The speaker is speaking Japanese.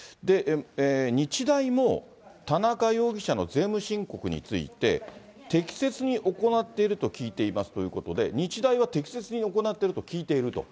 日大も田中容疑者の税務申告について、適切に行っていると聞いていますということで、日大は適切に行っていると聞いていると。